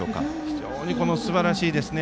非常にすばらしいですね。